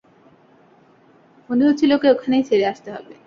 মনে হচ্ছিল ওকে ওখানেই ছেড়ে আসতে হবে।